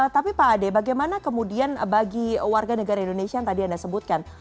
tapi pak ade bagaimana kemudian bagi warga negara indonesia yang tadi anda sebutkan